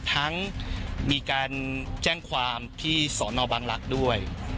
ทั้งมีการแจ้งความที่สอนอบังลักษณ์ด้วย